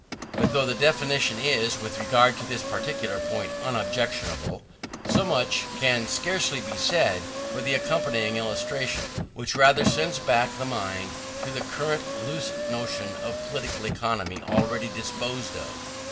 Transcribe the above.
But though the definition is, with regard to this particular point, unobjectionable, so much can scarcely be said for the accompanying illustration; which rather sends back the mind to the current loose notion of Political Economy already disposed of.